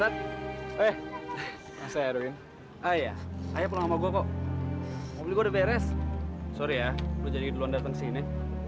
hai eh eh saya ruin ayah ayah mau gue kok udah beres sorry ya lu jadi duluan datang sini